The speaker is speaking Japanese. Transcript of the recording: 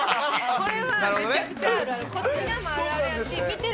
これはめちゃくちゃあるある。